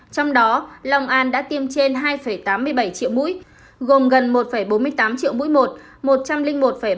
trong đó lòng an đã tiêm trên hai tám mươi bảy triệu mũi gồm gần một bốn mươi tám triệu mũi một một trăm linh một bảy mươi ba